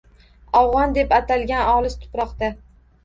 Afg’on deb atalgan olis tuproqda